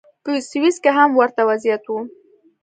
په سویس کې هم ورته وضعیت و.